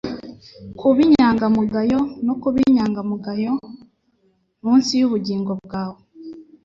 kuba inyangamugayo no kuba inyangamugayo munsi yubugingo bwawe